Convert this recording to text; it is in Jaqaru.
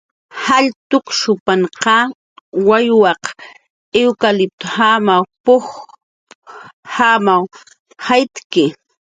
"Jall tukshupan wawyaq iwkaliptjamaw p""uj sakir jayt'ki."